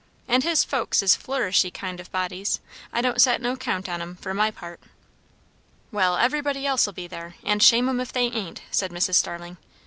And his folks is flourishy kind o' bodies; I don't set no count on 'em, for my part." "Well, everybody else'll be there, and shame 'em if they ain't," said Mrs. Starling.